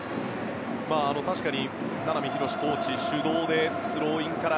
確かに名波浩コーチ主導でスローインから。